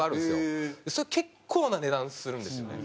それ結構な値段するんですよね。